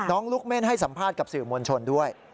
ลูกเม่นให้สัมภาษณ์กับสื่อมวลชนด้วย